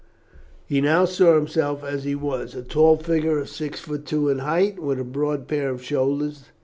He now saw himself as he was, a tall figure of six feet two in height, with a broad pair of shoulders.